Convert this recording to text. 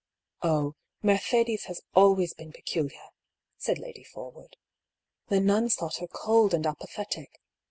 " Oh, Mercedes has always been peculiar," said Lady Forwood. " The nuns thought her cold and apathetic.